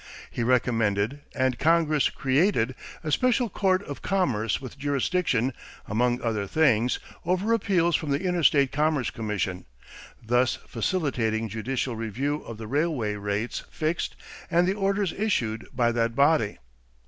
He recommended, and Congress created, a special court of commerce with jurisdiction, among other things, over appeals from the interstate commerce commission, thus facilitating judicial review of the railway rates fixed and the orders issued by that body.